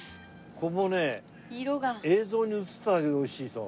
もうね映像に映っただけでおいしそう。